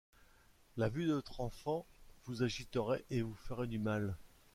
La vue de votre enfant vous agiterait et vous ferait du mal.